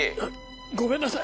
ごめんなさい！